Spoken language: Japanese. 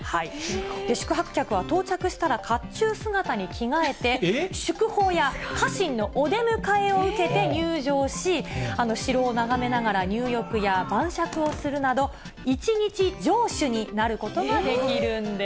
宿泊客は到着したら、かっちゅう姿に着替えて、祝砲や、家臣のお出迎えを受けて、入城し、城を眺めながら入浴や晩酌をするなど、一日城主になることができるんです。